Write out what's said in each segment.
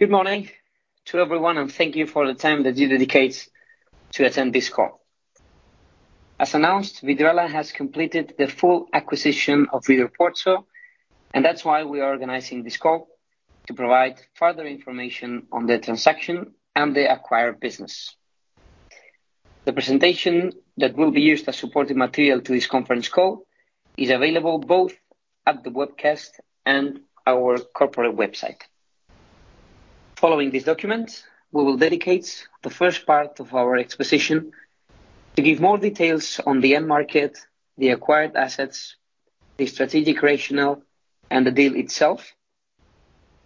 Good morning to everyone, and thank you for the time that you dedicate to attend this call. As announced, Vidrala has completed the full acquisition of Vidroporto, and that's why we are organizing this call, to provide further information on the transaction and the acquired business. The presentation that will be used as supporting material to this conference call is available both at the webcast and our corporate website. Following this document, we will dedicate the first part of our exposition to give more details on the end market, the acquired assets, the strategic rationale, and the deal itself,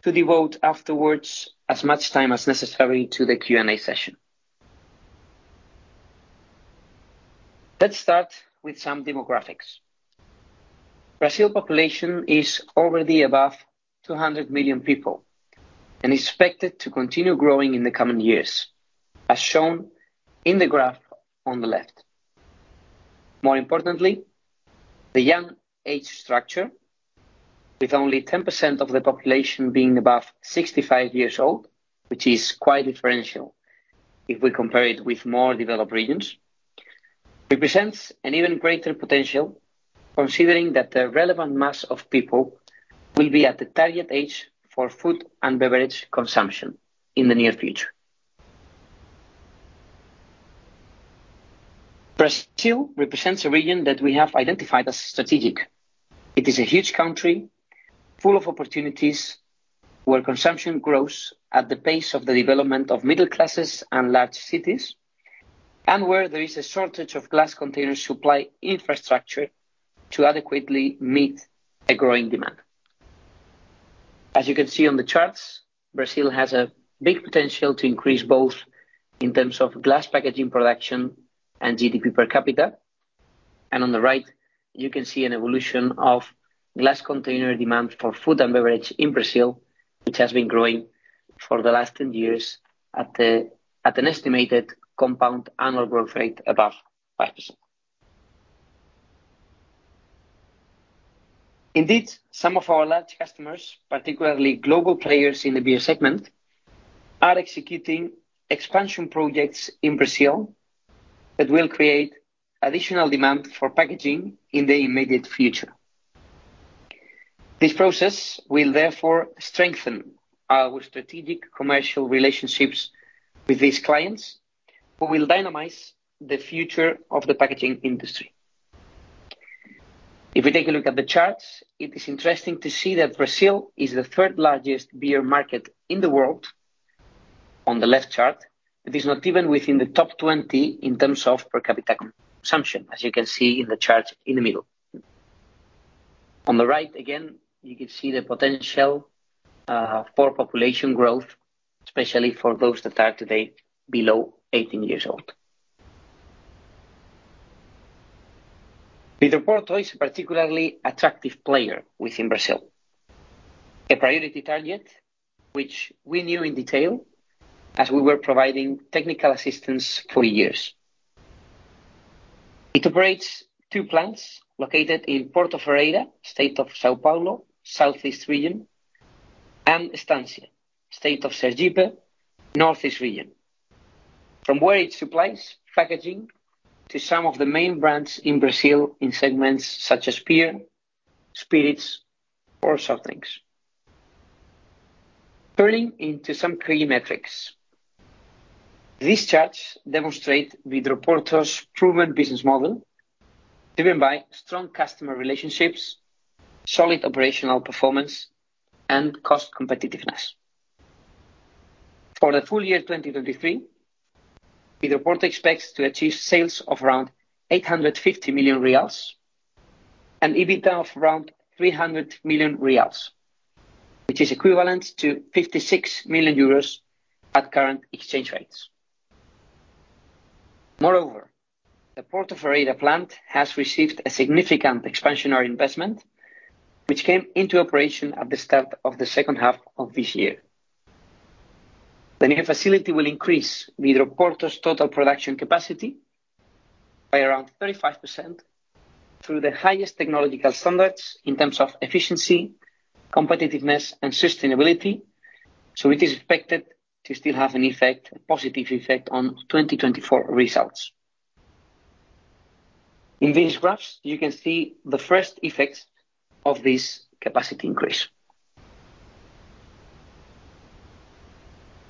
to devote afterwards as much time as necessary to the Q&A session. Let's start with some demographics. Brazil population is already above 200 million people, and expected to continue growing in the coming years, as shown in the graph on the left. More importantly, the young age structure, with only 10% of the population being above 65 years old, which is quite differential if we compare it with more developed regions, represents an even greater potential, considering that the relevant mass of people will be at the target age for food and beverage consumption in the near future. Brazil represents a region that we have identified as strategic. It is a huge country, full of opportunities, where consumption grows at the pace of the development of middle classes and large cities, and where there is a shortage of glass container supply infrastructure to adequately meet a growing demand. As you can see on the charts, Brazil has a big potential to increase both in terms of glass packaging production and GDP per capita. On the right, you can see an evolution of glass container demand for food and beverage in Brazil, which has been growing for the last 10 years at an estimated compound annual growth rate above 5%. Indeed, some of our large customers, particularly global players in the beer segment, are executing expansion projects in Brazil that will create additional demand for packaging in the immediate future. This process will therefore strengthen our strategic commercial relationships with these clients, but will dynamize the future of the packaging industry. If we take a look at the charts, it is interesting to see that Brazil is the third largest beer market in the world. On the left chart, it is not even within the top 20 in terms of per capita consumption, as you can see in the chart in the middle. On the right, again, you can see the potential for population growth, especially for those that are today below 18 years old. Vidroporto is a particularly attractive player within Brazil. A priority target, which we knew in detail as we were providing technical assistance for years. It operates two plants located in Porto Ferreira, state of São Paulo, southeast region, and Estância, state of Sergipe, Northeast region, from where it supplies packaging to some of the main brands in Brazil in segments such as beer, spirits, or soft drinks. Turning into some key metrics. These charts demonstrate Vidroporto's proven business model, driven by strong customer relationships, solid operational performance, and cost competitiveness. For the full year 2023, Vidroporto expects to achieve sales of around 850 million reais and EBITDA of around 300 million reais, which is equivalent to 56 million euros at current exchange rates. Moreover, the Porto Ferreira plant has received a significant expansionary investment, which came into operation at the start of the second half of this year. The new facility will increase Vidroporto's total production capacity by around 35% through the highest technological standards in terms of efficiency, competitiveness, and sustainability, so it is expected to still have an effect, a positive effect, on 2024 results. In these graphs, you can see the first effects of this capacity increase.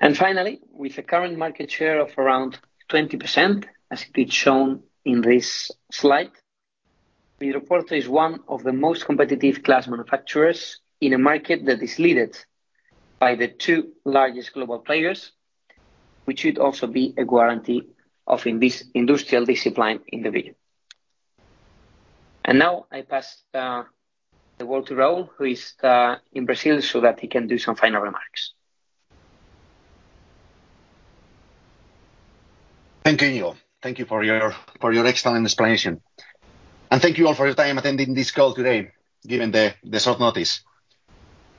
And finally, with a current market share of around 20%, as it is shown in this slide, Vidroporto is one of the most competitive glass manufacturers in a market that is led by the two largest global players, which should also be a guarantee of industrial discipline in the region. And now, I pass the word to Raúl, who is in Brazil, so that he can do some final remarks. Thank you, Inigo. Thank you for your, for your excellent explanation. Thank you all for your time attending this call today, given the, the short notice.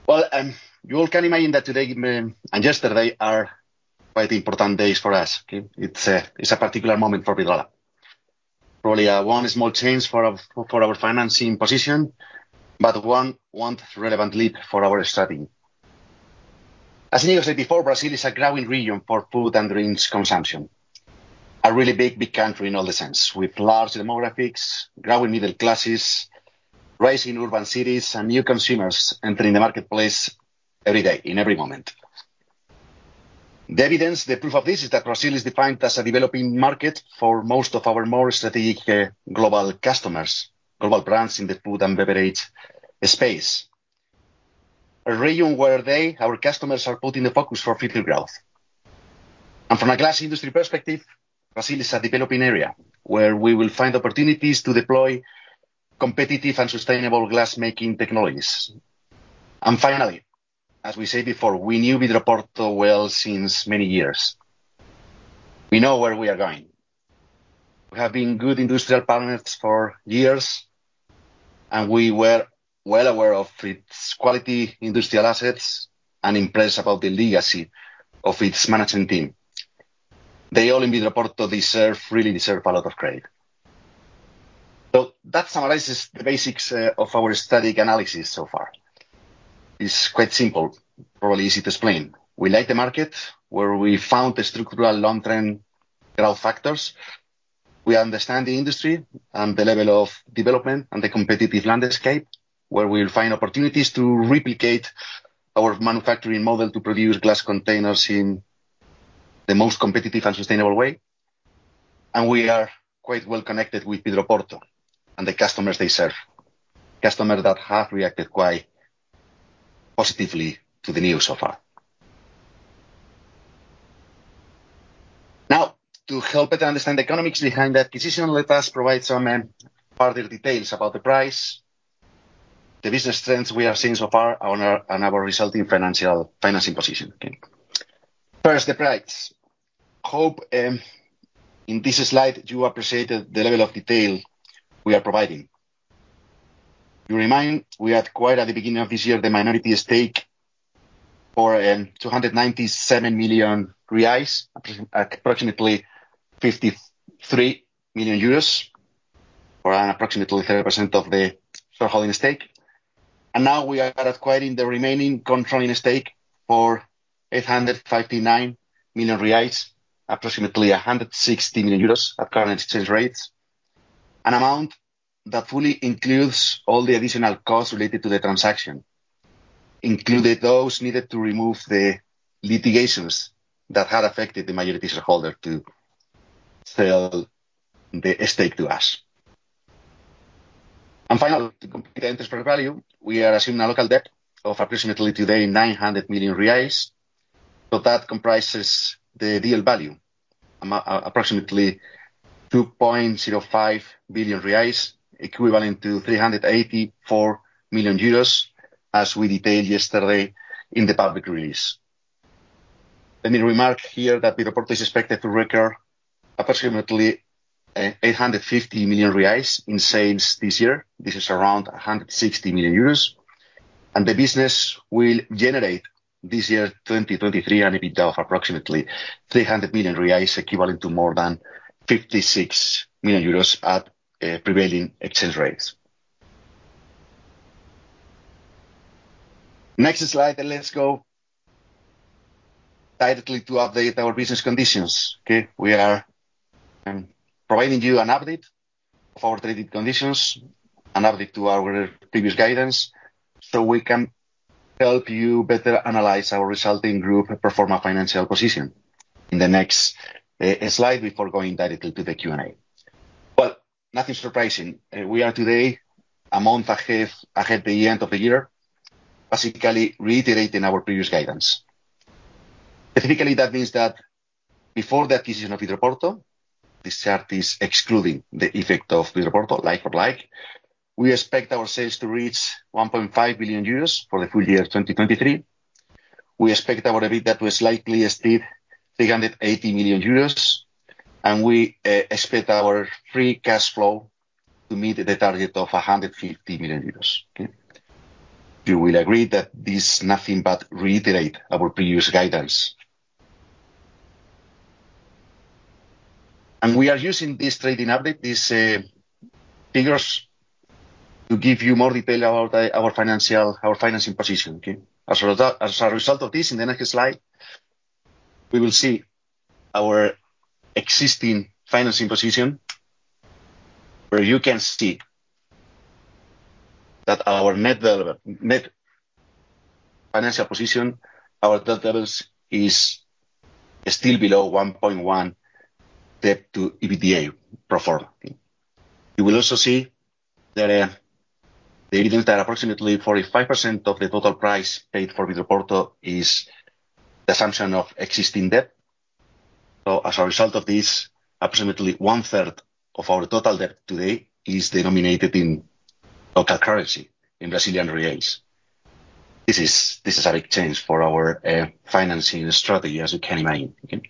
Well, you all can imagine that today and yesterday are quite important days for us, okay? It's a particular moment for Vidrala. Probably, one small change for our financing position, but one relevant leap for our starting. As Inigo said before, Brazil is a growing region for food and drinks consumption. A really big, big country in all the sense, with large demographics, growing middle classes, rising urban cities, and new consumers entering the marketplace every day, in every moment. The evidence, the proof of this, is that Brazil is defined as a developing market for most of our more strategic global customers, global brands in the food and beverage space. A region where they, our customers, are putting the focus for future growth. From a glass industry perspective, Brazil is a developing area, where we will find opportunities to deploy competitive and sustainable glass-making technologies. Finally, as we said before, we knew Vidroporto well since many years. We know where we are going. We have been good industrial partners for years, and we were well aware of its quality, industrial assets, and impressed about the legacy of its management team. They all, in Vidroporto, deserve, really deserve a lot of credit. That summarizes the basics of our strategic analysis so far. It's quite simple, probably easy to explain. We like the market, where we found the structural long-term growth factors. We understand the industry and the level of development and the competitive landscape, where we'll find opportunities to replicate our manufacturing model to produce glass containers in the most competitive and sustainable way. And we are quite well connected with Vidroporto and the customers they serve, customers that have reacted quite positively to the news so far. Now, to help better understand the economics behind the acquisition, let us provide some further details about the price, the business trends we have seen so far on our, on our resulting financial financing position. First, the price. I hope, in this slide, you appreciate the level of detail we are providing. You remind, we acquired at the beginning of this year, the minority stake for approximately 297 million reais, approximately 53 million euros, or approximately 30% of the shareholding stake. And now we are acquiring the remaining controlling stake for 859 million reais, approximately 160 million euros at current exchange rates. An amount that fully includes all the additional costs related to the transaction, including those needed to remove the litigations that had affected the majority shareholder to sell the estate to us. And finally, to complete the enterprise value, we are assuming a local debt of approximately today, 900 million reais, so that comprises the deal value, approximately 2.05 billion reais, equivalent to 384 million euros, as we detailed yesterday in the public release. Let me remark here that Vidroporto is expected to record approximately 850 million reais in sales this year. This is around 160 million euros, and the business will generate this year, 2023, an EBITDA of approximately 300 million reais, equivalent to more than 56 million euros at prevailing exchange rates. Next slide, and let's go directly to update our business conditions, okay? We are providing you an update of our trading conditions, an update to our previous guidance, so we can help you better analyze our resulting group and perform a financial position in the next slide before going directly to the Q&A. But nothing surprising. We are today, a month ahead the end of the year, basically reiterating our previous guidance. Technically, that means that before the acquisition of Vidroporto, this chart is excluding the effect of Vidroporto, like for like. We expect our sales to reach 1.5 billion euros for the full year of 2023. We expect our EBITDA to slightly exceed 380 million euros, and we expect our free cash flow to meet the target of 150 million euros. Okay? You will agree that this is nothing but reiterate our previous guidance. We are using this trading update, these figures, to give you more detail about our financial, our financing position, okay? As a result of this, in the next slide, we will see our existing financing position, where you can see that our net debt, net financial position, our debt levels, is still below 1.1 debt to EBITDA pro forma. You will also see that the evidence that approximately 45% of the total price paid for Vidroporto is the assumption of existing debt. So as a result of this, approximately one-third of our total debt today is denominated in local currency, in Brazilian reals. This is a big change for our financing strategy, as you can imagine, okay?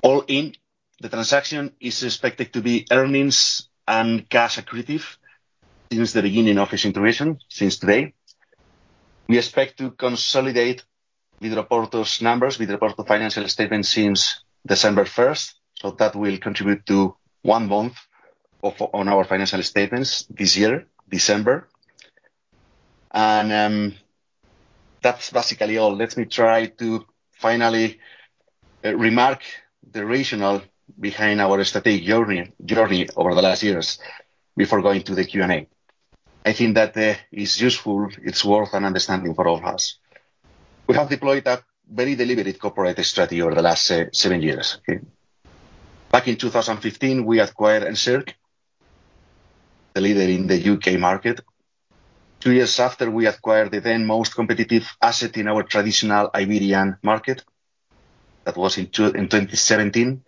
All in, the transaction is expected to be earnings and cash accretive since the beginning of its integration, since today. We expect to consolidate with the Porto's numbers, with the Porto financial statement since December first. So that will contribute to one month on our financial statements this year, December. And, that's basically all. Let me try to finally remark the rationale behind our strategic journey over the last years before going to the Q&A. I think that, it's useful, it's worth an understanding for all of us. We have deployed a very deliberate corporate strategy over the last seven years, okay? Back in 2015, we acquired Encirc, the leader in the U.K. market. Two years after, we acquired the then most competitive asset in our traditional Iberian market. That was in 2017.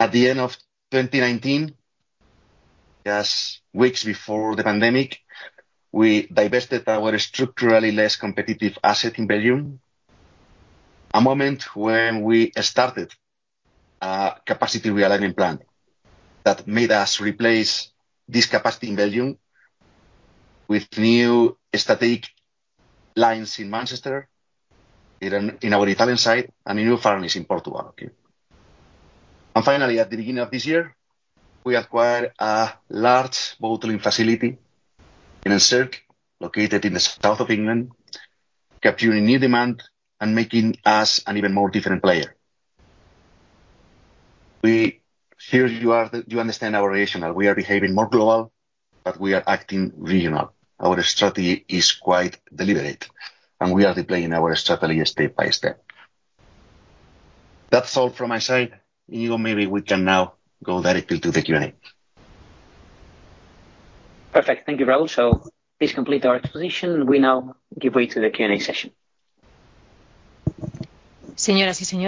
At the end of 2019, just weeks before the pandemic, we divested our structurally less competitive asset in Belgium. A moment when we started a capacity realigning plan that made us replace this capacity in Belgium with new strategic lines in Manchester, our Italian site, and new furnaces in Portugal, okay? Finally, at the beginning of this year, we acquired a large bottling facility in Encirc, located in the south of England, capturing new demand and making us an even more different player. You understand our rationale. We are behaving more global, but we are acting regional. Our strategy is quite deliberate, and we are deploying our strategy step by step. That's all from my side. Iñigo, maybe we can now go directly to the Q&A. Perfect. Thank you, Raúl. So please complete our exposition. We now give way to the Q&A session. Ladies and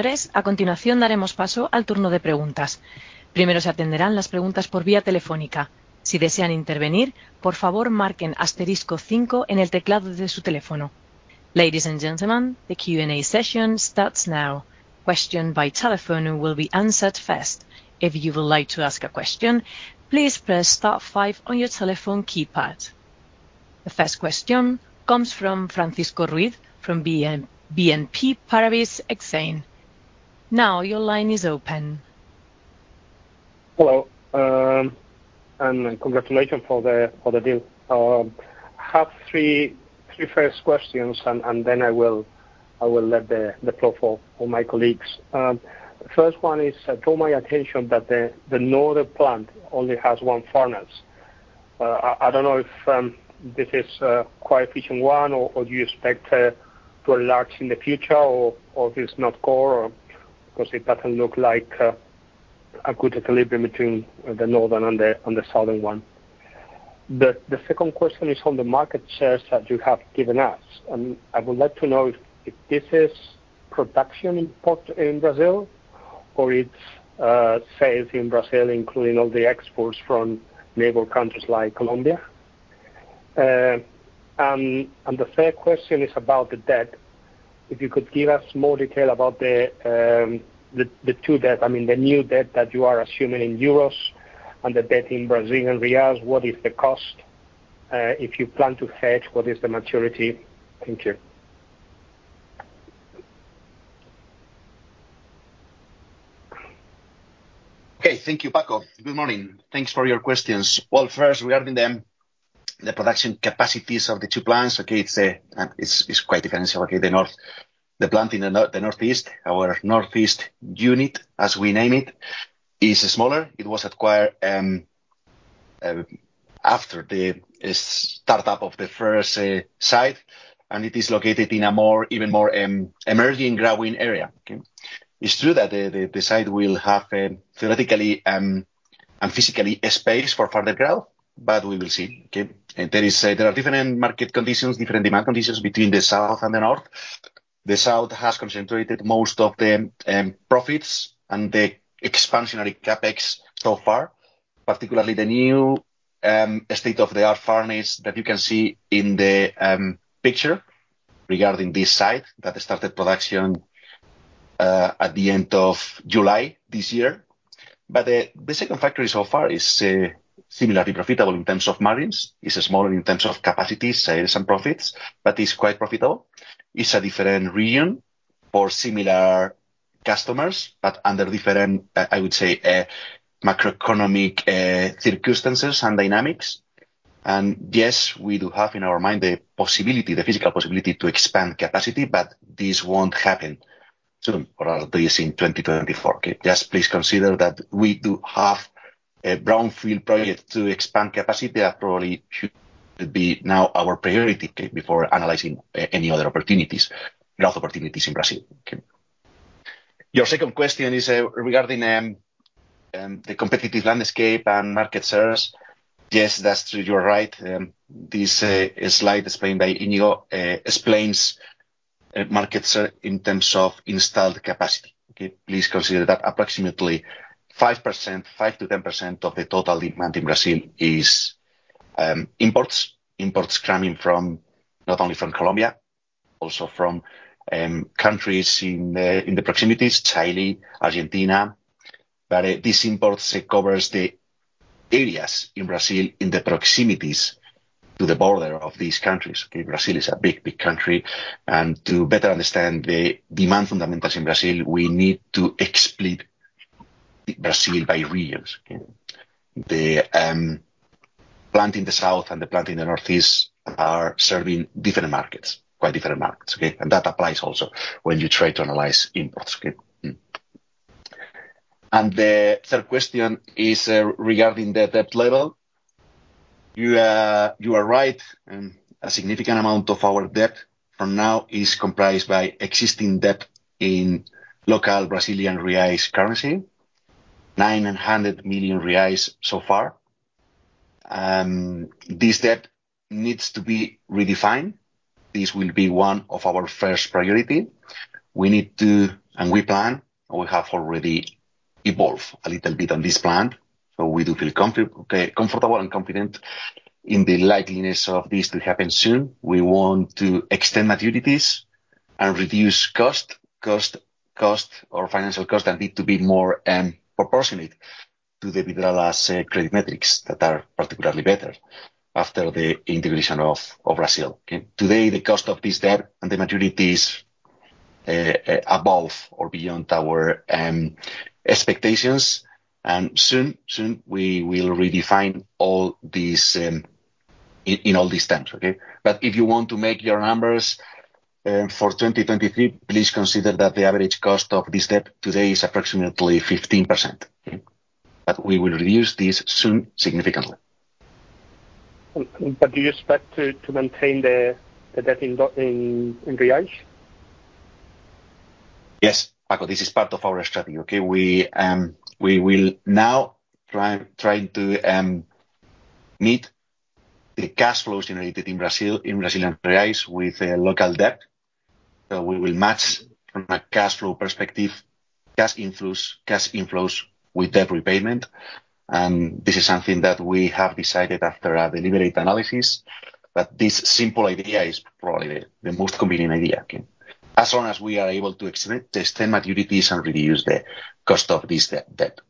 gentlemen, the Q&A session starts now. Questions by telephone will be answered first. If you would like to ask a question, please press star five on your telephone keypad. The first question comes from Francisco Ruiz from BNP Paribas Exane. Now your line is open. Hello, and congratulations for the deal. I have three first questions, and then I will let the floor for my colleagues. First one is, it draw my attention that the northern plant only has one furnace. I don't know if this is a quite efficient one, or do you expect to enlarge in the future, or if it's not core, or because it doesn't look like a good equilibrium between the northern and the southern one. The second question is on the market shares that you have given us, and I would like to know if this is production import in Brazil or it's sales in Brazil, including all the exports from neighbor countries like Colombia. And the third question is about the debt. If you could give us more detail about the two debt, I mean, the new debt that you are assuming in euros and the debt in Brazilian reais. What is the cost? If you plan to hedge, what is the maturity? Thank you. Okay. Thank you, Franco. Good morning. Thanks for your questions. Well, first, regarding the production capacities of the two plants, okay, it's quite different. So okay, the north, the plant in the north, the northeast, our northeast unit, as we name it, is smaller. It was acquired after the startup of the first site, and it is located in a more, even more, emerging growing area, okay? It's true that the site will have, theoretically, and physically, space for further growth, but we will see, okay? And there are different market conditions, different demand conditions between the south and the north. The south has concentrated most of the profits and the expansionary CapEx so far, particularly the new state-of-the-art furnace that you can see in the picture regarding this site that started production at the end of July this year. But the second factory so far is similarly profitable in terms of margins. It's smaller in terms of capacity, sales, and profits, but it's quite profitable. It's a different region for similar customers, but under different, I would say, macroeconomic circumstances and dynamics. And yes, we do have in our mind the possibility, the physical possibility to expand capacity, but this won't happen soon or at least in 2024, okay? Just please consider that we do have a brownfield project to expand capacity that probably should be now our priority before analyzing any other opportunities, growth opportunities in Brazil, okay? Your second question is regarding the competitive landscape and market shares. Yes, that's true. You're right. This slide explained by Inigo explains market share in terms of installed capacity, okay? Please consider that approximately 5%, 5%-10% of the total demand in Brazil is imports. Imports coming from, not only from Colombia, also from countries in the proximities, Chile, Argentina but these imports, it covers the areas in Brazil, in the proximities to the border of these countries, okay? Brazil is a big, big country, and to better understand the demand fundamentals in Brazil, we need to explain Brazil by regions, okay? The plant in the south and the plant in the northeast are serving different markets, quite different markets, okay? And that applies also when you try to analyze imports, okay. The third question is regarding the debt level. You, you are right, a significant amount of our debt for now is comprised by existing debt in local Brazilian reais currency, 900 million reais so far. This debt needs to be redefined. This will be one of our first priority. We need to, and we plan, and we have already evolved a little bit on this plan, so we do feel comfortable and confident in the likeliness of this to happen soon. We want to extend maturities and reduce cost, cost, cost or financial cost, and need to be more proportionate to the Vidrala's credit metrics that are particularly better after the integration of, of Brazil, okay? Today, the cost of this debt and the maturity is above or beyond our expectations, and soon, soon we will redefine all these in all these terms, okay? But if you want to make your numbers for 2023, please consider that the average cost of this debt today is approximately 15%. But we will reduce this soon, significantly. But do you expect to maintain the debt in the reais? Yes, Paco, this is part of our strategy, okay? We will now try to meet the cash flows generated in Brazil, in Brazilian reais with a local debt. So we will match from a cash flow perspective, cash inflows with debt repayment. And this is something that we have decided after a deliberate analysis, but this simple idea is probably the most convenient idea, okay? As long as we are able to extend maturities and reduce the cost of this debt.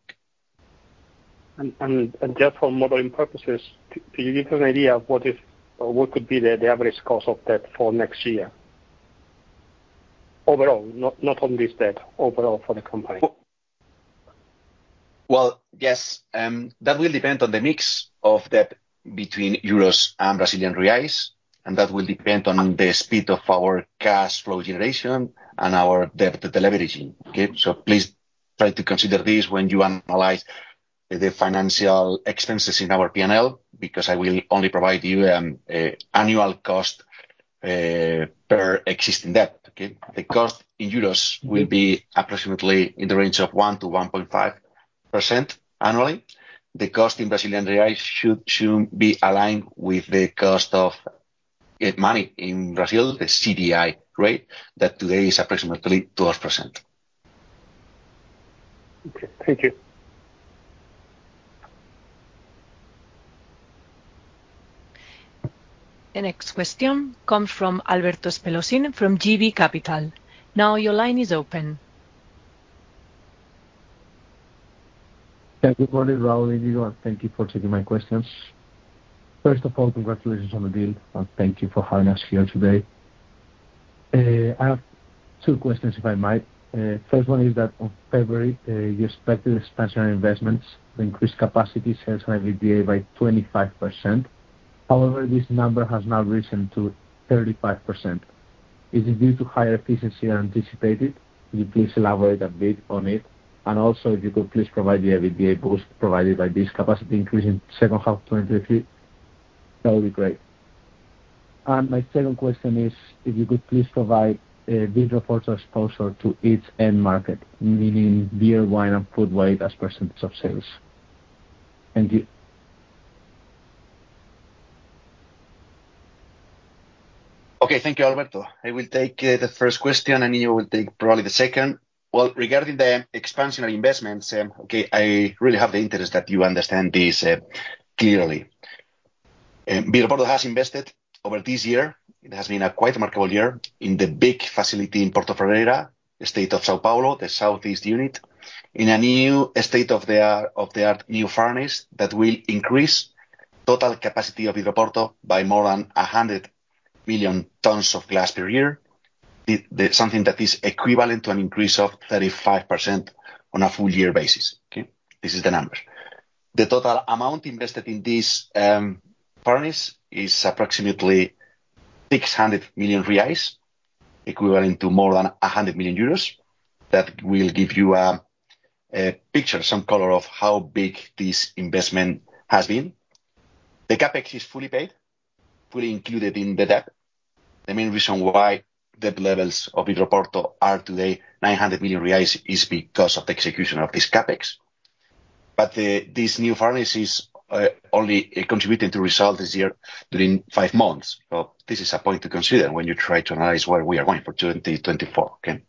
Just for modeling purposes, can you give us an idea of what if or what could be the average cost of debt for next year? Overall, not on this debt, overall for the company. Well, yes, that will depend on the mix of debt between Euros and Brazilian reals, and that will depend on the speed of our cash flow generation and our debt deleveraging, okay? So please try to consider this when you analyze the financial expenses in our P&L, because I will only provide you, annual cost per existing debt, okay? The cost in euros will be approximately in the range of 1%-1.5% annually. The cost in Brazilian reais should be aligned with the cost of money in Brazil, the CDI rate, that today is approximately 12%. Okay. Thank you. The next question comes from Alberto Spelosin, from JB Capital. Now your line is open. Thank you, good morning, Raúl, and thank you for taking my questions. First of all, congratulations on the deal, and thank you for having us here today. I have two questions, if I might. First one is that on February, you expected expansion investments to increase capacity, sales, and EBITDA by 25%. However, this number has now risen to 35%. Is it due to higher efficiency than anticipated? Could you please elaborate a bit on it? And also, if you could please provide the EBITDA boost provided by this capacity increase in second half 2023, that would be great. And my second question is, if you could please provide, Vidroporto's exposure to each end market, meaning beer, wine, and foodweight as % of sales. Thank you. Okay. Thank you, Alberto. I will take the first question, and you will take probably the second. Well, regarding the expansionary investments, okay, I really have the interest that you understand this clearly. Vidroporto has invested over this year, it has been a quite remarkable year, in the big facility in Porto Ferreira, the state of São Paulo, the southeast unit, in a new state-of-the-art new furnace that will increase total capacity of Vidroporto by more than 100 million tons of glass per year. Something that is equivalent to an increase of 35% on a full year basis, okay? This is the number. The total amount invested in this furnace is approximately 600 million reais, equivalent to more than 100 million euros. That will give you a picture, some color of how big this investment has been. The CapEx is fully paid, fully included in the debt. The main reason why debt levels of Vidroporto are today 900 million reais is because of the execution of this CapEx. But this new furnace is only contributing to result this year during five months. But this is a point to consider when you try to analyze where we are going for 2024, okay?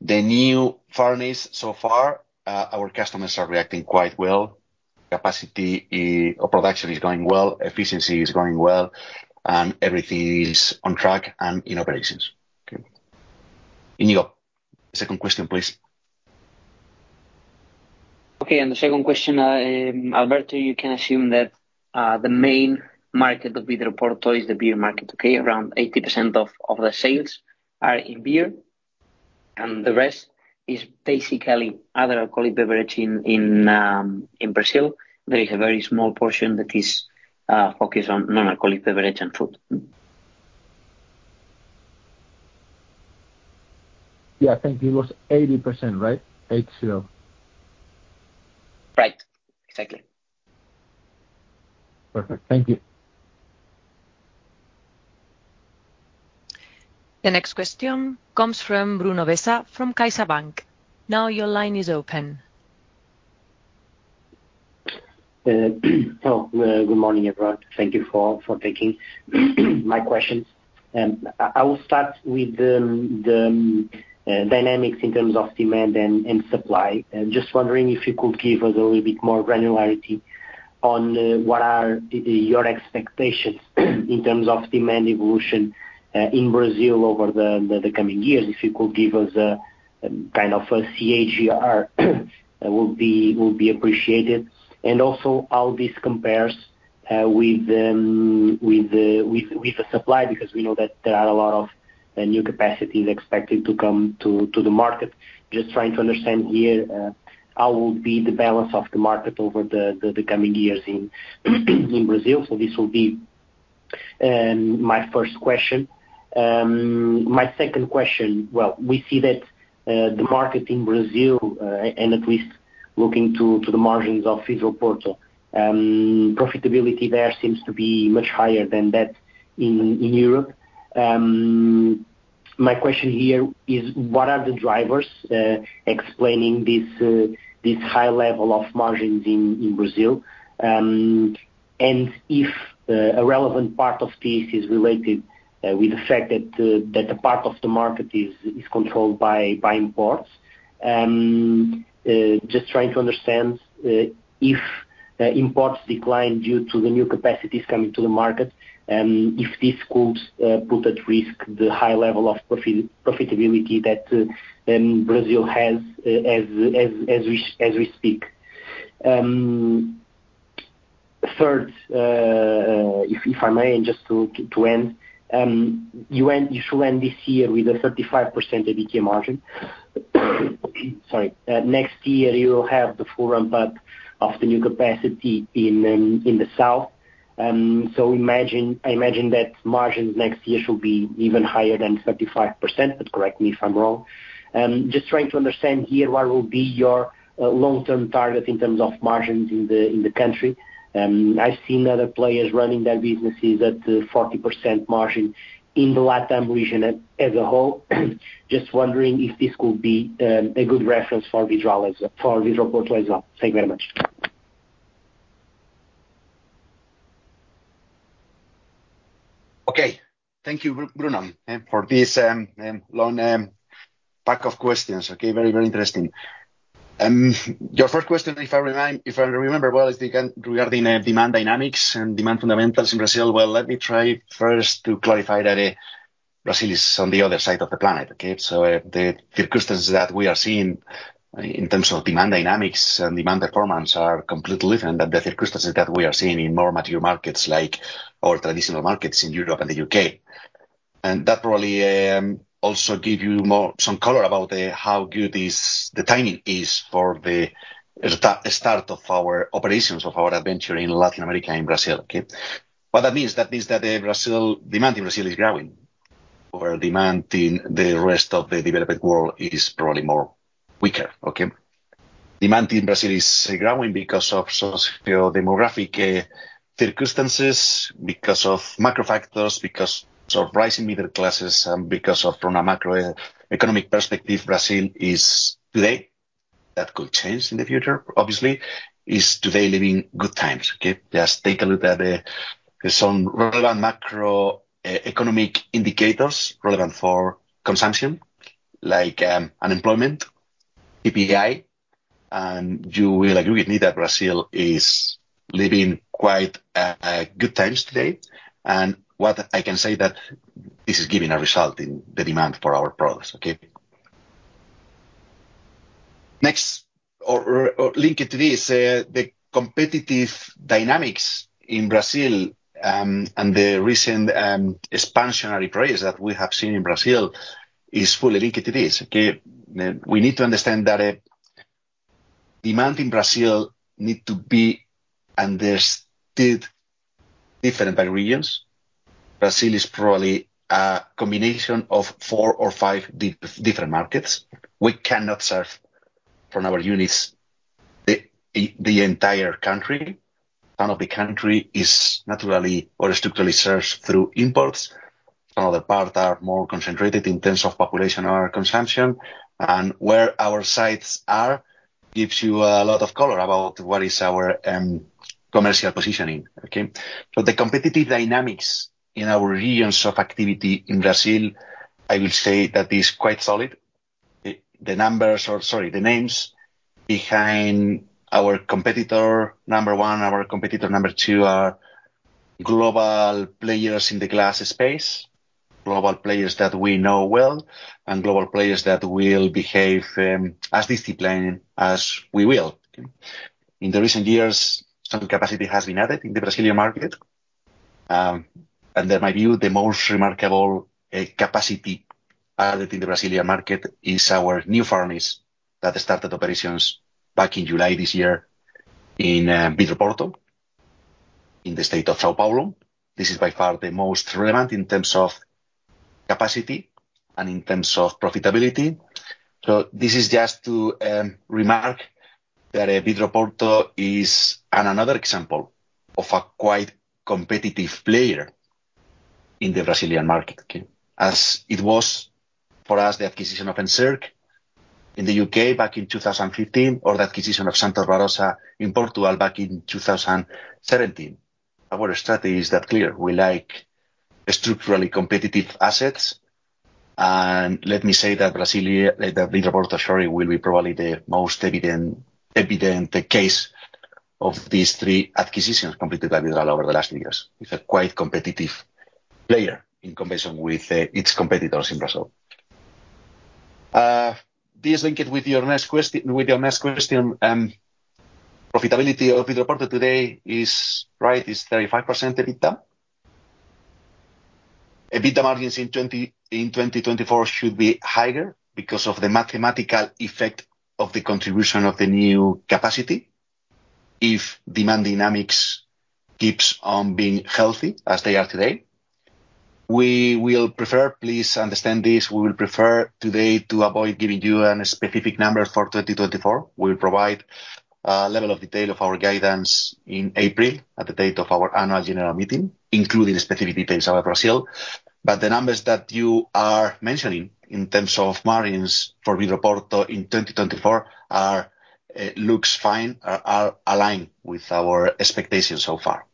The new furnace so far, our customers are reacting quite well. Capacity or production is going well, efficiency is going well, and everything is on track and in operations. Okay. And you go, second question, please. Okay, and the second question, Alberto, you can assume that the main market of the portfolio is the beer market, okay? Around 80% of the sales are in beer, and the rest is basically other alcoholic beverage in Brazil. There is a very small portion that is focused on non-alcoholic beverage and food. Yeah, I think it was 80%, right? 80. Right. Exactly. Perfect. Thank you. The next question comes from Bruno Vesa, from CaixaBank. Now your line is open. Hello. Good morning, everyone. Thank you for taking my questions. I will start with the dynamics in terms of demand and supply. Just wondering if you could give us a little bit more granularity on what are your expectations in terms of demand evolution in Brazil over the coming years. If you could give us a kind of a CAGR, that would be appreciated. And also how this compares with the supply, because we know that there are a lot of new capacities expected to come to the market. Just trying to understand here how will be the balance of the market over the coming years in Brazil. So this will be my first question. My second question: well, we see that the market in Brazil, and at least looking to the margins of Vidroporto, profitability there seems to be much higher than that in Europe. My question here is: what are the drivers explaining this high level of margins in Brazil? And if a relevant part of this is related with the fact that a part of the market is controlled by imports. Just trying to understand if imports decline due to the new capacities coming to the market, and if this could put at risk the high level of profitability that Brazil has, as we speak. Third, if I may, and just to end, you should end this year with a 35% EBITDA margin. Sorry. Next year you will have the full ramp up of the new capacity in the south. So imagine I imagine that margins next year should be even higher than 35%, but correct me if I'm wrong. Just trying to understand here, what will be your long-term target in terms of margins in the country? I've seen other players running their businesses at 40% margin in the Latin region as a whole. Just wondering if this could be a good reference for Vidrala as, for Vidroporto as well. Thank you very much. Okay. Thank you, Bruno, for this long pack of questions. Okay, very, very interesting. Your first question, if I remind, if I remember well, is again regarding demand dynamics and demand fundamentals in Brazil. Well, let me try first to clarify that Brazil is on the other side of the planet, okay? So, the circumstances that we are seeing in terms of demand dynamics and demand performance are completely different than the circumstances that we are seeing in more mature markets, like our traditional markets in Europe and the UK. And that probably also give you more some color about how good is the timing is for the start of our operations, of our adventure in Latin America and Brazil, okay? What that means, that means that, Brazil, demand in Brazil is growing, or demand in the rest of the developed world is probably more weaker, okay? Demand in Brazil is growing because of socio-demographic circumstances, because of macro factors, because of rising middle classes, and because of, from a macroeconomic perspective, Brazil is today, that could change in the future, obviously, is today living good times, okay? Just take a look at some relevant macroeconomic indicators, relevant for consumption, like unemployment, PPI, and you will agree with me that Brazil is living quite good times today. What I can say that this is giving a result in the demand for our products, okay? Next, link it to this, the competitive dynamics in Brazil, and the recent expansionary periods that we have seen in Brazil is fully linked to this, okay? We need to understand that, demand in Brazil need to be understood different by regions. Brazil is probably a combination of four or five different markets. We cannot serve from our units, the entire country. Part of the country is naturally or structurally served through imports. Another part are more concentrated in terms of population or consumption, and where our sites are, gives you a lot of color about what is our commercial positioning, okay? So the competitive dynamics in our regions of activity in Brazil, I will say that is quite solid. The names behind our competitor number one, our competitor number two, are global players in the glass space. Global players that we know well, and global players that will behave as disciplined as we will. In the recent years, some capacity has been added in the Brazilian market, and in my view, the most remarkable capacity added in the Brazilian market is our new furnace that started operations back in July this year in Vidroporto, in the state of São Paulo. This is by far the most relevant in terms of capacity and in terms of profitability. So this is just to remark that Vidroporto is another example of a quite competitive player in the Brazilian market. As it was for us, the acquisition of Encirc in the UK back in 2015, or the acquisition of Santos Barosa in Portugal back in 2017. Our strategy is that clear: We like structurally competitive assets. And let me say that Brazil, Vidroporto, sorry, will be probably the most evident case of these three acquisitions completed by Vidrala over the last few years. It's a quite competitive player in combination with its competitors in Brazil. This link it with your next question, profitability of Vidroporto today is right, is 35% EBITDA. EBITDA margins in 2024 should be higher because of the mathematical effect of the contribution of the new capacity. If demand dynamics keeps on being healthy as they are today, we will prefer Please understand this, we will prefer today to avoid giving you any specific numbers for 2024. We'll provide level of detail of our guidance in April, at the date of our annual general meeting, including specific details about Brazil. But the numbers that you are mentioning in terms of margins for Vidroporto in 2024 are looks fine, are, are aligned with our expectations so far.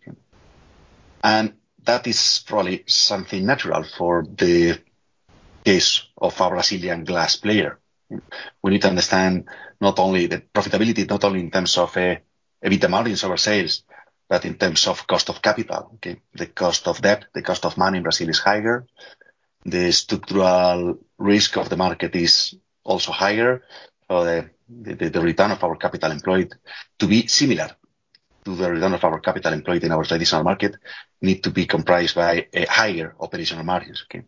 And that is probably something natural for the case of our Brazilian glass player. We need to understand not only the profitability, not only in terms of EBITDA margins or our sales, but in terms of cost of capital, okay? The cost of debt, the cost of money in Brazil is higher. The structural risk of the market is also higher, so the return of our capital employed to be similar to the return of our capital employed in our traditional market need to be comprised by higher operational margins, okay?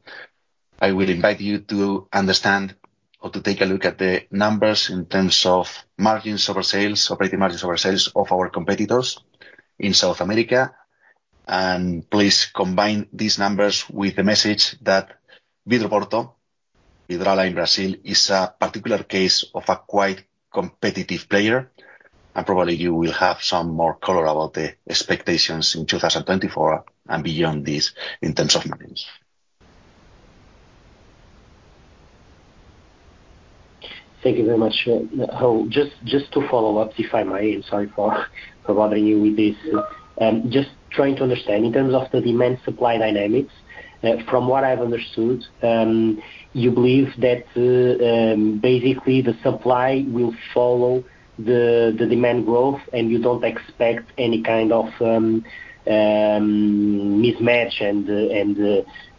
I will invite you to understand or to take a look at the numbers in terms of margins of our sales, operating margins of our sales of our competitors in South America, and please combine these numbers with the message that Vidroporto, Vidrala in Brazil, is a particular case of a quite competitive player, and probably you will have some more color about the expectations in 2024 and beyond this in terms of margins. Thank you very much, Raúl. Just to follow up, if I may. Sorry for bothering you with this. Just trying to understand, in terms of the demand-supply dynamics, from what I've understood, you believe that basically, the supply will follow the demand growth, and you don't expect any kind of mismatch and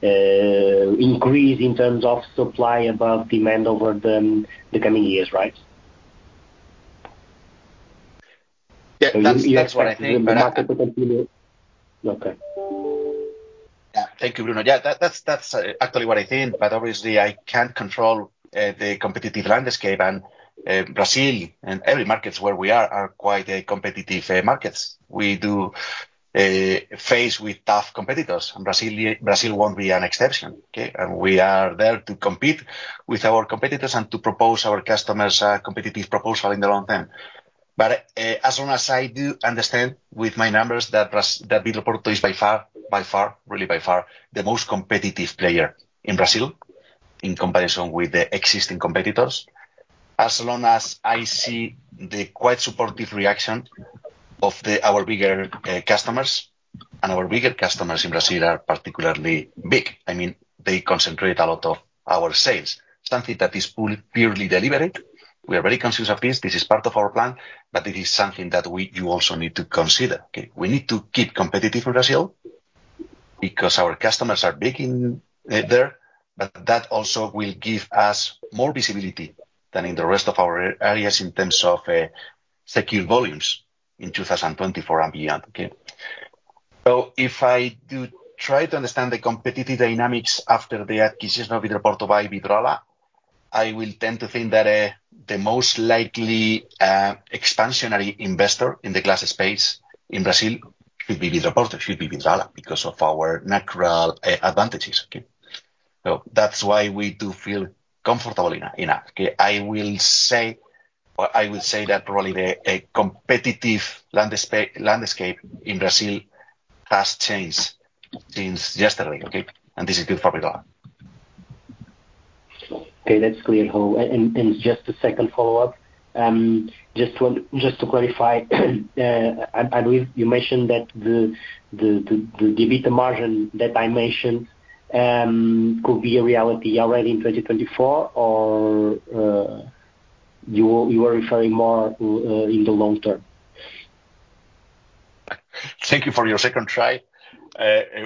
an increase in terms of supply above demand over the coming years, right? Yeah, that's, that's what I think. Okay. Yeah. Thank you, Bruno. Yeah, that's actually what I think, but obviously, I can't control the competitive landscape. Brazil, and every markets where we are, are quite a competitive markets. We do face with tough competitors, and Brazil won't be an exception, okay? And we are there to compete with our competitors and to propose our customers a competitive proposal in the long term. But as long as I do understand with my numbers, that Vidroporto is by far, by far, really by far, the most competitive player in Brazil in comparison with the existing competitors. As long as I see the quite supportive reaction of our bigger customers, and our bigger customers in Brazil are particularly big, I mean, they concentrate a lot of our sales, something that is purely deliberate. We are very conscious of this. This is part of our plan, but it is something that we... you also need to consider, okay? We need to keep competitive in Brazil because our customers are big in, there, but that also will give us more visibility than in the rest of our areas in terms of, secure volumes in 2024 and beyond, okay? So if I do try to understand the competitive dynamics after the acquisition of Vidroporto by Vidrala, I will tend to think that, the most likely, expansionary investor in the glass space in Brazil should be Vidroporto, should be Vidrala, because of our natural, advantages, okay? So that's why we do feel comfortable enough, enough. I will say, or I will say that probably the, a competitive landscape, landscape in Brazil has changed since yesterday, okay? This is good for Vidrala. Okay, that's clear, Raúl. And just a second follow-up. Just to clarify, you mentioned that the EBITDA margin that I mentioned could be a reality already in 2024, or you are referring more to in the long term? Thank you for your second try.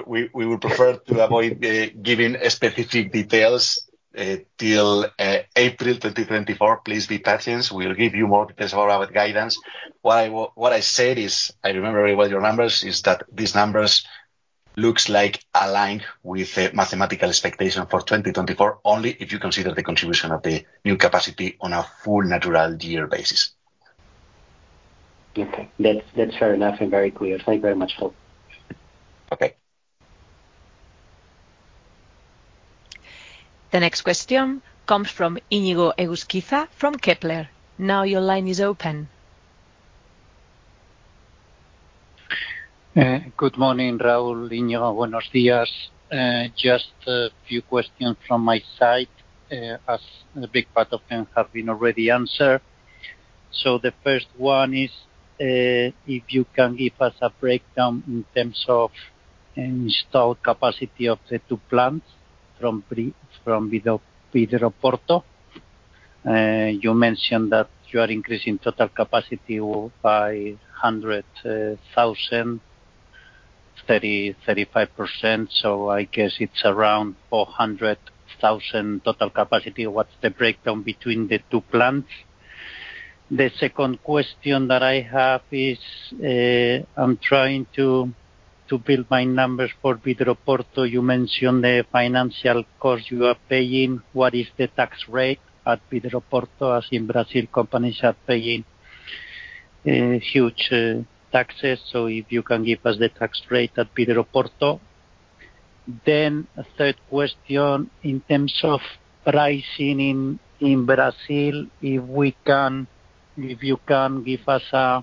We would prefer to avoid giving specific details till April 2024. Please be patient. We'll give you more details about our guidance. What I said is, I remember very well your numbers, is that these numbers looks like aligned with the mathematical expectation for 2024, only if you consider the contribution of the new capacity on a full natural year basis. Okay. That's, that's fair enough and very clear. Thank you very much, Raúl. Okay. The next question comes from Iñigo Egusquiza from Kepler. Now your line is open. Good morning, Raúl. Iñigo, buenos días. Just a few questions from my side, as a big part of them have been already answered. So the first one is, if you can give us a breakdown in terms of installed capacity of the two plants from Vidroporto. You mentioned that you are increasing total capacity by 100,000, 30%-35%, so I guess it's around 400,000 total capacity. What's the breakdown between the two plants? The second question that I have is, I'm trying to build my numbers for Vidroporto. You mentioned the financial cost you are paying. What is the tax rate at Vidroporto, as in Brazil, companies are paying huge taxes, so if you can give us the tax rate at Vidroporto. Then a third question, in terms of pricing in Brazil, if you can give us a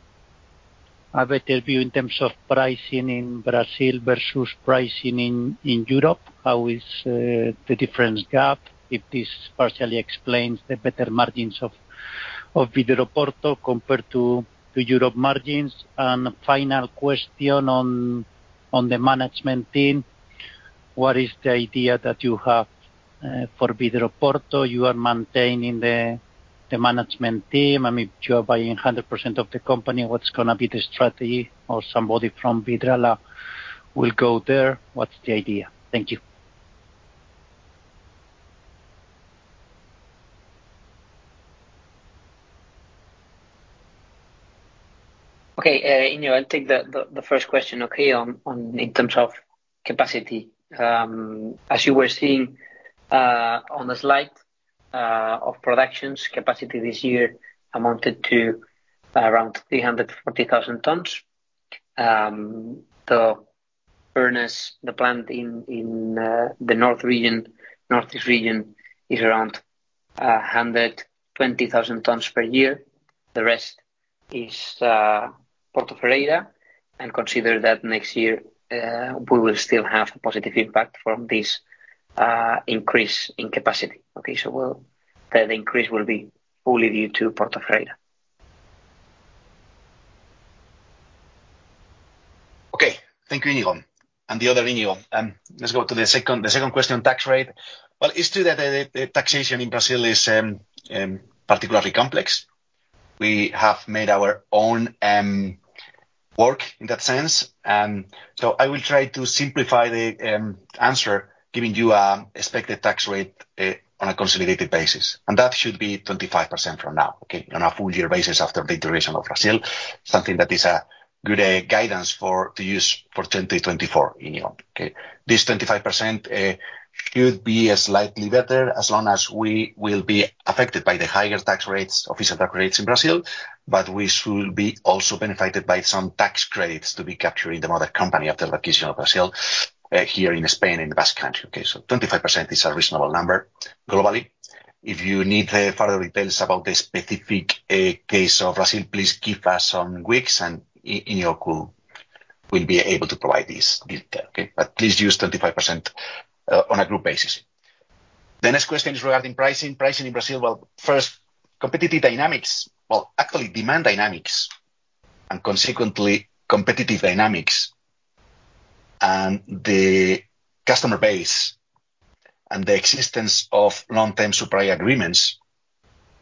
better view in terms of pricing in Brazil versus pricing in Europe, how is the difference gap, if this partially explains the better margins of Vidroporto compared to Europe margins. And final question on the management team, what is the idea that you have for Vidroporto? You are maintaining the management team, and if you are buying 100% of the company, what's gonna be the strategy, or somebody from Vidrala will go there? What's the idea? Thank you. Okay, Inigo, I'll take the first question, okay, on in terms of capacity. As you were seeing on the slide of production capacity this year amounted to around 340,000 tons. The plant in the northeast region is around 120,000 tons per year. The rest is Porto Ferreira, and consider that next year we will still have a positive impact from this increase in capacity, okay? So we'll that increase will be fully due to Porto Ferreira. Okay. Thank you, Inigo. And the other Inigo, let's go to the second question, tax rate. Well, it's true that the taxation in Brazil is particularly complex. We have made our own work in that sense. So I will try to simplify the answer, giving you expected tax rate on a consolidated basis, and that should be 25% from now, okay? On a full year basis after the integration of Brazil, something that is a good guidance for to use for 2024, Inigo, okay? This 25% could be slightly better, as long as we will be affected by the higher tax rates, official tax rates in Brazil, but we should be also benefited by some tax credits to be captured in the mother company after the acquisition of Brazil, here in Spain, in the Basque Country, okay? So 25% is a reasonable number globally. If you need further details about the specific case of Brazil, please give us some weeks, and Inigo will be able to provide this detail, okay? But please use 25% on a group basis. The next question is regarding pricing. Pricing in Brazil, well, first, competitive dynamics, well, actually demand dynamics, and consequently competitive dynamics, and the customer base, and the existence of long-term supply agreements,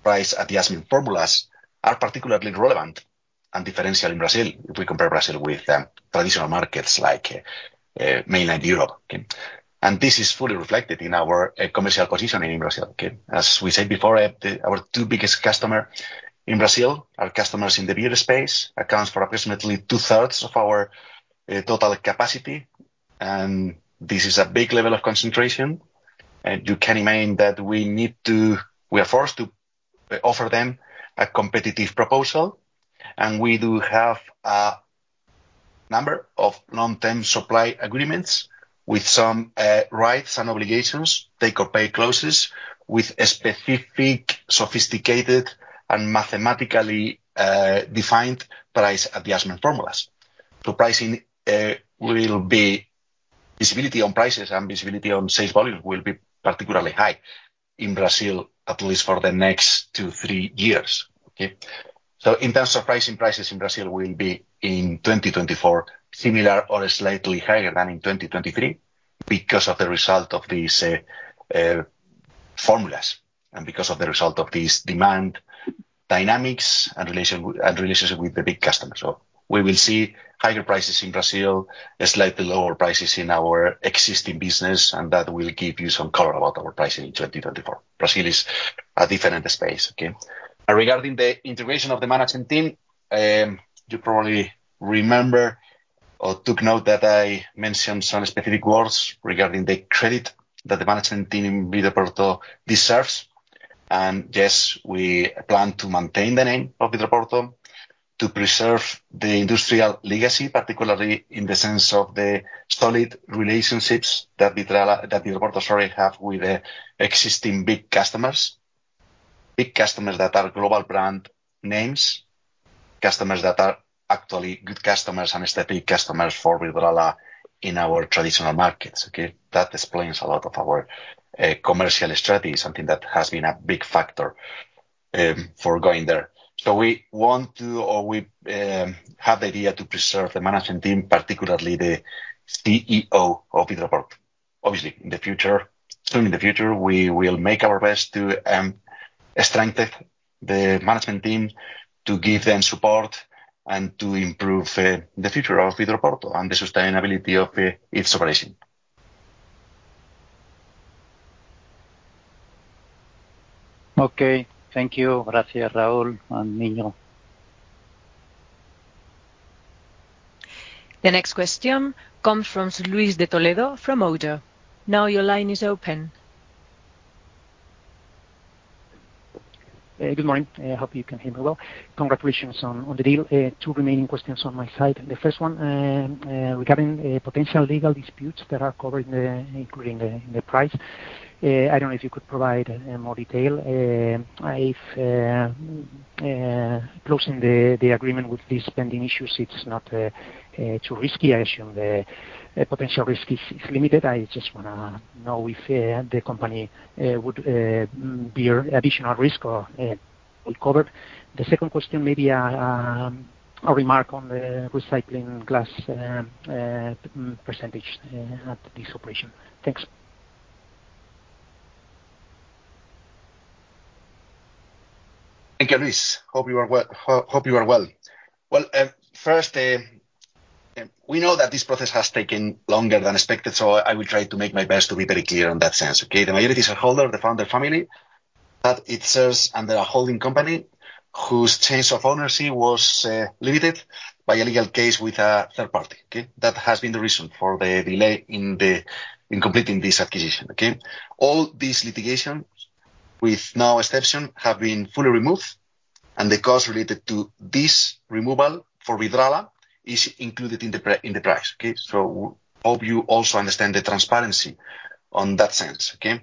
price adjustment formulas are particularly relevant and differential in Brazil, if we compare Brazil with, traditional markets like, mainland Europe, okay? And this is fully reflected in our, commercial positioning in Brazil, okay? As we said before, our two biggest customer in Brazil, our customers in the beer space, accounts for approximately two-thirds of our, total capacity, and this is a big level of concentration. And you can imagine that we need to we are forced to offer them a competitive proposal, and we do have a number of long-term supply agreements with some, rights and obligations, take or pay clauses with specific, sophisticated, and mathematically, defined price adjustment formulas. So pricing, will be Visibility on prices and visibility on sales volume will be particularly high in Brazil, at least for the next 2-3 years, okay? So in terms of pricing, prices in Brazil will be, in 2024, similar or slightly higher than in 2023 because of the result of these formulas and because of the result of these demand dynamics and relation, and relationship with the big customers. So we will see higher prices in Brazil, slightly lower prices in our existing business, and that will give you some color about our pricing in 2024. Brazil is a different space, okay? And regarding the integration of the management team, you probably remember or took note that I mentioned some specific words regarding the credit that the management team in Vidroporto deserves. Yes, we plan to maintain the name of Vidroporto, to preserve the industrial legacy, particularly in the sense of the solid relationships that Vidrala, that Vidroporto sorry, have with the existing big customers. Big customers that are global brand names, customers that are actually good customers, and strategic customers for Vidrala in our traditional markets, okay? That explains a lot of our commercial strategy, something that has been a big factor for going there. So we want to, or we, have the idea to preserve the management team, particularly the CEO of Vidroporto. Obviously, in the future, soon in the future, we will make our best to strengthen the management team, to give them support, and to improve the future of Vidroporto and the sustainability of its operation. Okay. Thank you. Gracias, Raul and Inigo. The next question comes from Luis de Toledo from ODDO. Now, your line is open. Good morning. I hope you can hear me well. Congratulations on the deal. Two remaining questions on my side. The first one, regarding potential legal disputes that are covered in, including the price. I don't know if you could provide more detail if closing the agreement with these pending issues, it's not too risky. I assume the potential risk is limited. I just wanna know if the company would bear additional risk or all covered. The second question may be a remark on the recycling glass percentage at this operation. Thanks. Thank you, Luis. Hope you are well. Well, first, we know that this process has taken longer than expected, so I will try to make my best to be very clear in that sense, okay? The majority shareholder, the founder family, that it sells under a holding company whose change of ownership was limited by a legal case with a third party, okay? That has been the reason for the delay in completing this acquisition, okay? All these litigations, with no exception, have been fully removed, and the cost related to this removal for Vidrala is included in the price, okay? So hope you also understand the transparency on that sense, okay?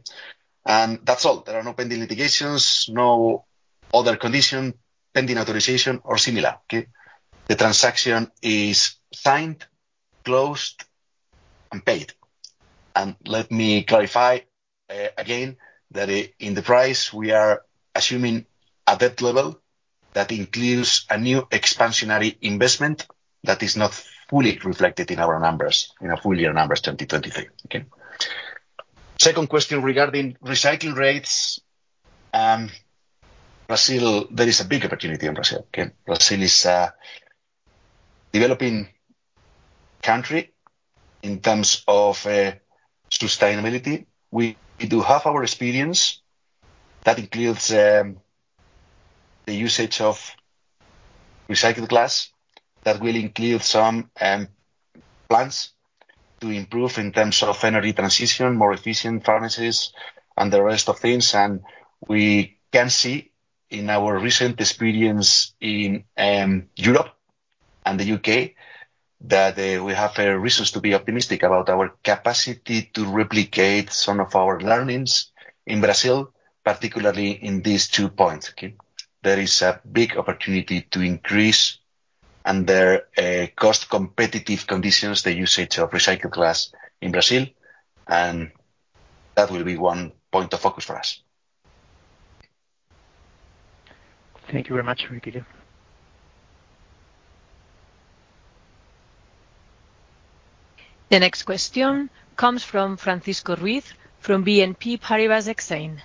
That's all. There are no pending litigations, no other condition, pending authorization or similar, okay? The transaction is signed, closed, and paid. And let me clarify, again, that in the price, we are assuming a debt level that includes a new expansionary investment that is not fully reflected in our numbers, in our full year numbers, 2023, okay? Second question regarding recycling rates. Brazil, there is a big opportunity in Brazil, okay? Brazil is a developing country in terms of, sustainability. We do have our experience that includes, the usage of recycled glass, that will include some plants to improve in terms of energy transition, more efficient furnaces, and the rest of things. And we can see in our recent experience in, Europe and the UK, that, we have, reasons to be optimistic about our capacity to replicate some of our learnings in Brazil, particularly in these two points, okay? There is a big opportunity to increase, under cost-competitive conditions, the usage of recycled glass in Brazil, and that will be one point of focus for us. Thank you very much, Ricardo. The next question comes from Francisco Ruiz from BNP Paribas Exane.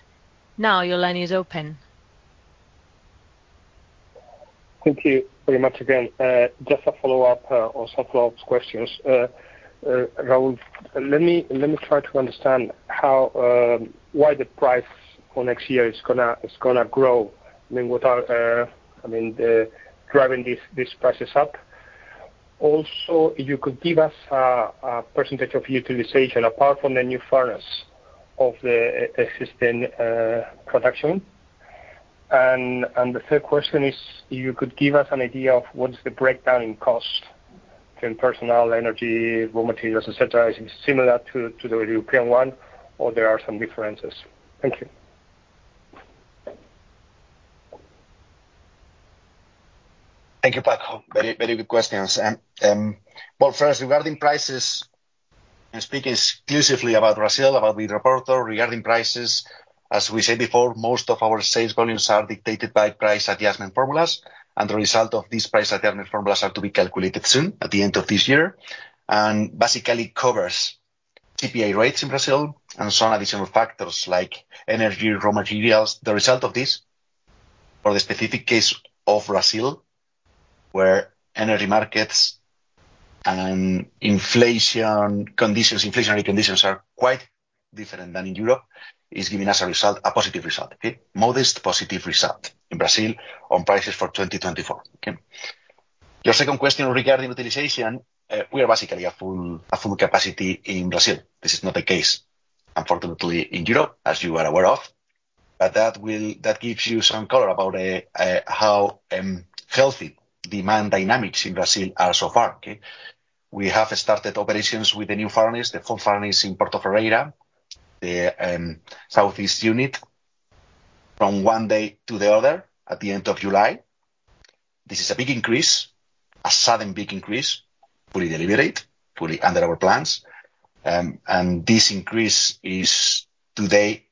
Now your line is open. Thank you very much again. Just a follow-up on some close questions. Raúl, let me try to understand how, why the price for next year is gonna grow. I mean, what are driving these prices up. Also, if you could give us a percentage of utilization, apart from the new furnace of the existing production. And the third question is, if you could give us an idea of what is the breakdown in cost in personnel, energy, raw materials, et cetera. Is it similar to the European one, or there are some differences? Thank you. Thank you, Franco. Very, very good questions. Well, first, regarding prices, and speaking exclusively about Brazil, about Vidroporto, regarding prices, as we said before, most of our sales volumes are dictated by price adjustment formulas, and the result of these price adjustment formulas are to be calculated soon, at the end of this year. And basically covers CPI rates in Brazil and some additional factors like energy, raw materials. The result of this, for the specific case of Brazil, where energy markets and inflation conditions, inflationary conditions, are quite different than in Europe, is giving us a result, a positive result, okay? Modest, positive result in Brazil on prices for 2024, okay. Your second question regarding utilization, we are basically at full, at full capacity in Brazil. This is not the case, unfortunately, in Europe, as you are aware of, but that will That gives you some color about how healthy demand dynamics in Brazil are so far, okay? We have started operations with the new furnace, the full furnace in Porto Ferreira, the southeast unit, from one day to the other at the end of July. This is a big increase, a sudden, big increase, fully deliberate, fully under our plans. And this increase is today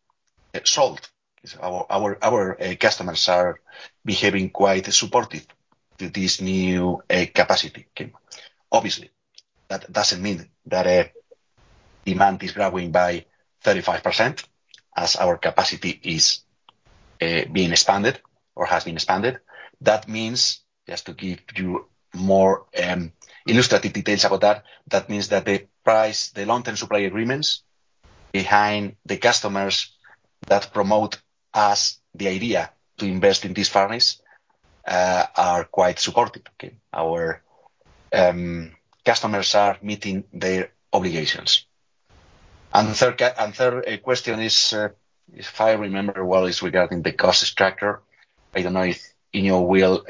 sold. So our customers are behaving quite supportive to this new capacity, okay? Obviously, that doesn't mean that demand is growing by 35% as our capacity is being expanded or has been expanded. That means, just to give you more illustrative details about that, that means that the price, the long-term supply agreements behind the customers that promote us the idea to invest in these furnace are quite supportive, okay? Our customers are meeting their obligations. And the third question is, if I remember well, regarding the cost structure. I don't know if Iñigo will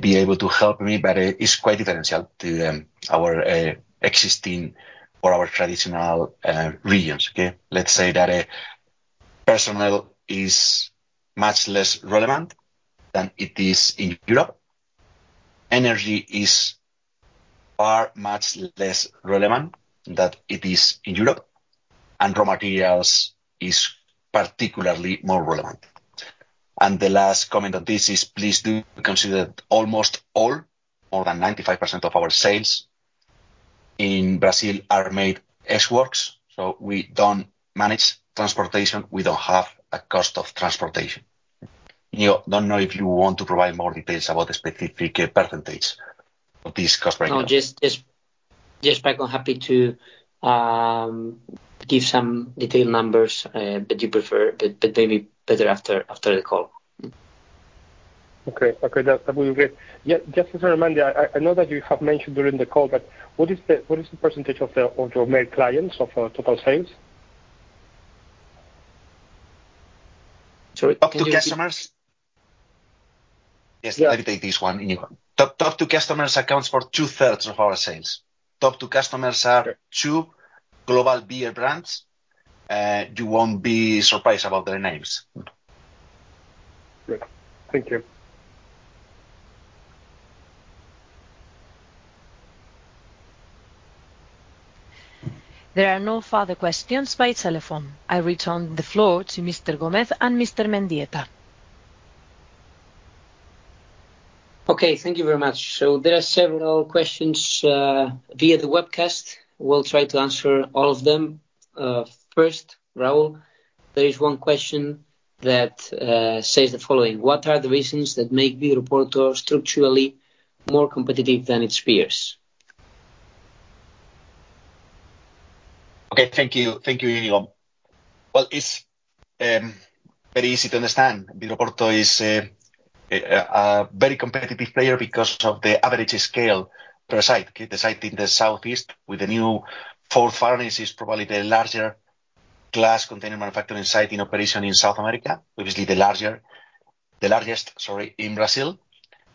be able to help me, but it's quite different to our existing or our traditional regions, okay? Let's say that personnel is much less relevant than it is in Europe. Energy is far much less relevant than it is in Europe, and raw materials is particularly more relevant. And the last comment on this is please do consider almost all, more than 95% of our sales in Brazil are made ex works, so we don't manage transportation. We don't have a cost of transportation. Iñigo, don't know if you want to provide more details about the specific percentage of this cost right now. No, just Franco, I'm happy to give some detailed numbers, but you prefer that they be better after the call. Okay. Okay, that will be great. Yeah, just as a reminder, I know that you have mentioned during the call, but what is the percentage of your main clients of total sales? Sorry, top two customers? Yes, let me take this one, Iñigo. Top two customers accounts for two-thirds of our sales. Top two customers are- Okay Two global beer brands. You won't be surprised about their names. Great. Thank you. There are no further questions by telephone. I return the floor to Mr. Gómez and Mr. Mendieta. Okay. Thank you very much. So there are several questions via the webcast. We'll try to answer all of them. First, Raul, there is one question that says the following: What are the reasons that make Vidroporto structurally more competitive than its peers? Okay. Thank you. Thank you, Iñigo. Well, it's very easy to understand. Vidroporto is a very competitive player because of the average scale per site, okay? The site in the southeast with the new fourth furnace is probably the larger glass container manufacturing site in operation in South America. Obviously, the larger, the largest, sorry, in Brazil.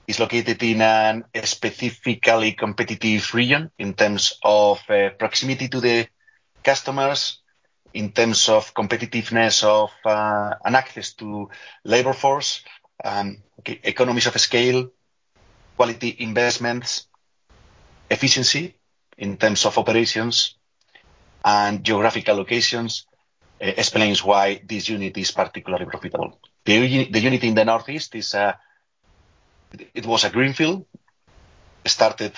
It's located in an specifically competitive region in terms of proximity to the customers, in terms of competitiveness of and access to labor force, economies of scale, quality investments, efficiency in terms of operations and geographical locations explains why this unit is particularly profitable. The unit in the northeast is, it was a greenfield, started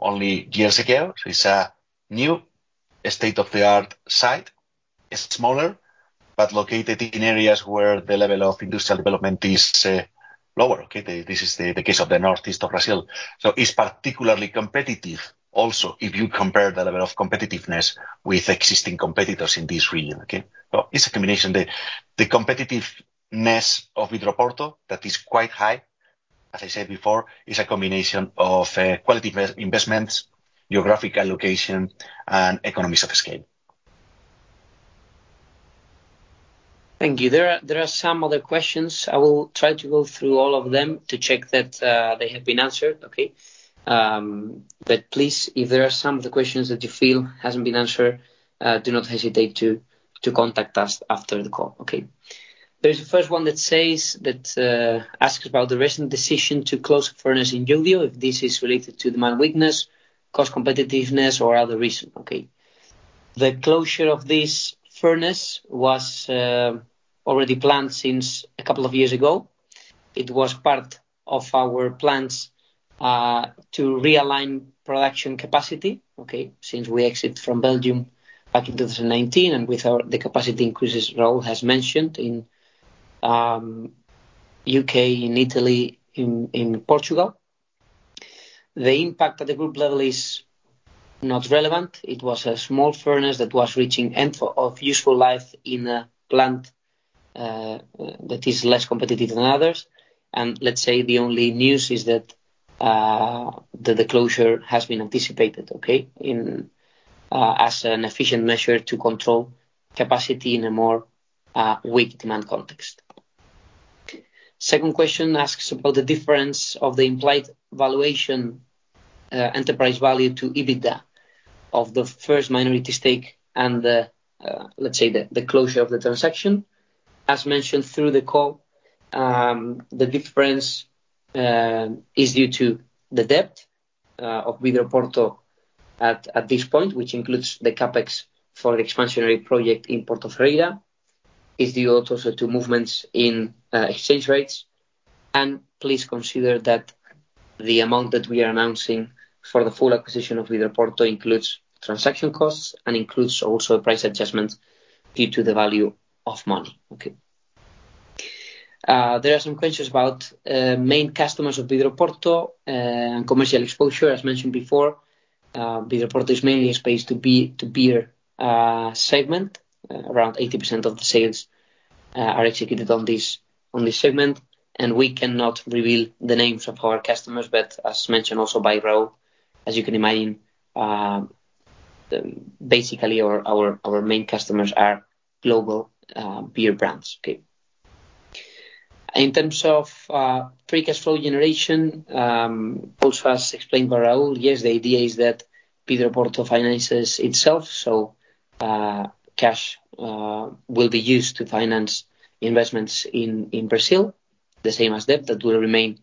only years ago. So it's a new state-of-the-art site. It's smaller, but located in areas where the level of industrial development is lower, okay? This is the case of the northeast of Brazil. So it's particularly competitive also, if you compare the level of competitiveness with existing competitors in this region, okay? But it's a combination. The competitiveness of Vidroporto, that is quite high, as I said before, is a combination of quality investments, geographical location, and economies of scale. Thank you. There are, there are some other questions. I will try to go through all of them to check that, they have been answered, okay? But please, if there are some of the questions that you feel hasn't been answered, do not hesitate to, to contact us after the call, okay? There's the first one that says asks about the recent decision to close a furnace in Llodio, if this is related to demand weakness, cost competitiveness, or other reason. Okay. The closure of this furnace was already planned since a couple of years ago. It was part of our plans, to realign production capacity, okay, since we exit from Belgium back in 2019, and with our, the capacity increases Raúl has mentioned in UK, in Italy, in Portugal. The impact at the group level is not relevant. It was a small furnace that was reaching end of useful life in a plant that is less competitive than others. Let's say the only news is that the closure has been anticipated, okay? In as an efficient measure to control capacity in a more weak demand context. Second question asks about the difference of the implied valuation, enterprise value to EBITDA of the first minority stake and the, let's say, the closure of the transaction. As mentioned through the call, the difference is due to the debt of Vidroporto at this point, which includes the CapEx for the expansionary project in Porto Ferreira. It's due also to movements in exchange rates. Please consider that the amount that we are announcing for the full acquisition of Vidroporto includes transaction costs and includes also price adjustments due to the value of money. Okay. There are some questions about main customers of Vidroporto and commercial exposure. As mentioned before, Vidroporto is mainly exposed to beer, to beer segment. Around 80% of the sales are executed on this segment, and we cannot reveal the names of our customers. But as mentioned also by Raul, as you can imagine, basically our main customers are global beer brands. Okay. In terms of free cash flow generation, also as explained by Raul, yes, the idea is that Vidroporto finances itself, so cash will be used to finance investments in Brazil, the same as debt that will remain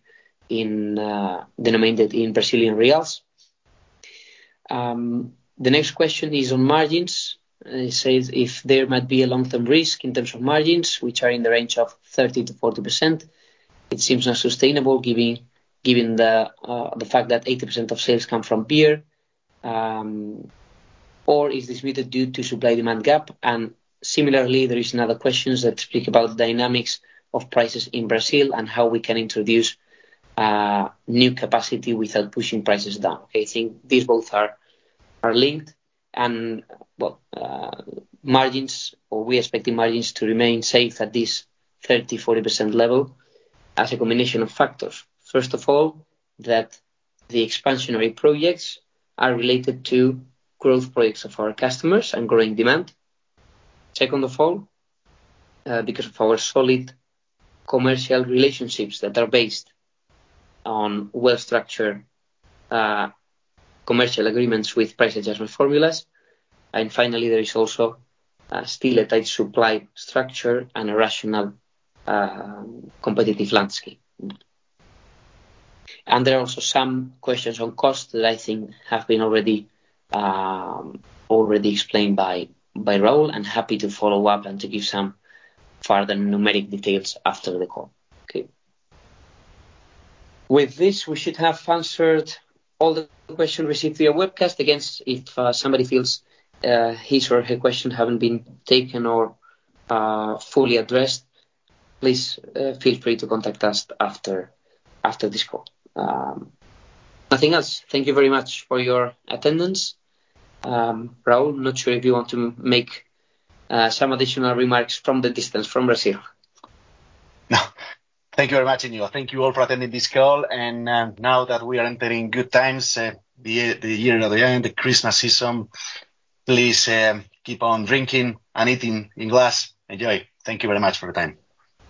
denominated in Brazilian reals. The next question is on margins, and it says, "If there might be a long-term risk in terms of margins, which are in the range of 30%-40%, it seems not sustainable, given the fact that 80% of sales come from beer. Or is this due to supply-demand gap?" And similarly, there is another questions that speak about the dynamics of prices in Brazil and how we can introduce new capacity without pushing prices down. I think these both are linked. Well, margins, are we expecting margins to remain safe at this 30%-40% level as a combination of factors. First of all, that the expansionary projects are related to growth projects of our customers and growing demand. Second of all, because of our solid commercial relationships that are based on well-structured, commercial agreements with price adjustment formulas. And finally, there is also, still a tight supply structure and a rational, competitive landscape. And there are also some questions on cost that I think have been already, already explained by, by Raúl, and happy to follow up and to give some further numeric details after the call. Okay. With this, we should have answered all the questions received via webcast. Again, if somebody feels his or her question haven't been taken or fully addressed, please feel free to contact us after this call. Nothing else. Thank you very much for your attendance. Raúl, not sure if you want to make some additional remarks from the distance, from Brazil. Thank you very much, Inigo. Thank you all for attending this call, and now that we are entering good times, the year, the year at the end, the Christmas season, please, keep on drinking and eating in glass. Enjoy. Thank you very much for your time.